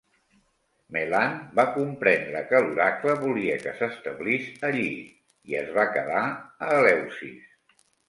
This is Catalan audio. Melant va comprendre que l'oracle volia que s'establís allí i es va quedar a Eleusis.